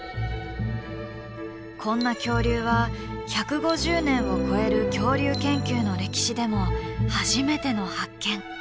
こんな恐竜は１５０年を超える恐竜研究の歴史でも初めての発見。